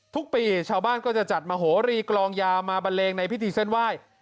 ทุกปีชาวบ้านก็จะจัดมโหรีกลองยาวมาบันเลงในพิธีเส้นไหว้